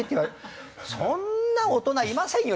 そんな大人いませんよ